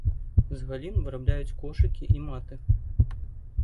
З галін вырабляюць кошыкі і маты.